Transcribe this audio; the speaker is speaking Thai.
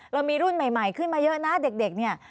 เรามีรุ่นใหม่ขึ้นมาเยอะนะเด็กเนี่ย